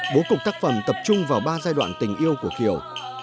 bố cục tác phẩm tập trung vào ba giai đoạn tình yêu của kiều